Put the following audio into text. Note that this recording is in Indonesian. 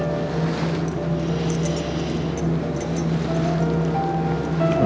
terima kasih emang